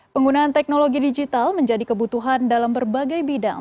penggunaan teknologi digital menjadi kebutuhan dalam berbagai bidang